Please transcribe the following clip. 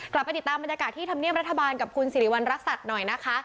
กลับไปติดตามบรรยากาศที่ธรรมเนียมรัฐบาลกับคุณสิริวัณรักษัตริย์หน่อยนะคะ